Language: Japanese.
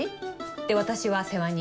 で私は世話人。